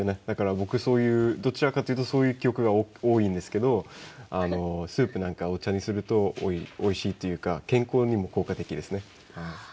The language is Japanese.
だから僕そういうどちらかというとそういう記憶が多いんですけどスープなんかやお茶にするとおいしいというか健康にも効果的ですね。